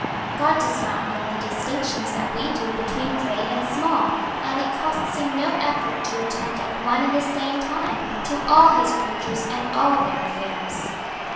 God does not know the distinctions that we do between great and small, and it costs Him no effort to attend at one and the same time, to all His creatures and all their affairs."